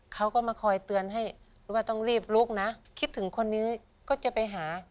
เขาก็มาคอยเตือนให้ว่าต้องรีบลุกนะคิดถึงคนนี้ก็จะไปหา